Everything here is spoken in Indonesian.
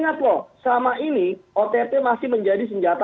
ya sudah ditetapkan pesan tiba tiba pimpinan kpk menyatakan silap penyidiknya lagi gitu kan